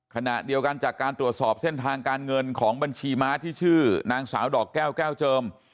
ขณะเดียวกันจากการตรวจสอบเส้นทางการเงินของบัญชีม้าที่ชื่อนางสาวดอกแก้วแก้วเจิม